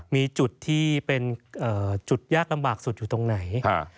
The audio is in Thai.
มีจุดที่เป็นจุดยากลำบากสุดอยู่ตรงไหน